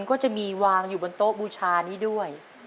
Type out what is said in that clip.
ก็จะมีวางอยู่บนโต๊ะบูชานี้ด้วย